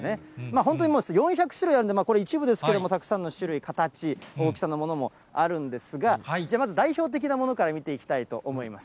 本当にもう、４００種類あるんで、これ、一部ですけれども、たくさんの種類、形、大きさのものもあるんですが、まず代表的なものから見ていきたいと思います。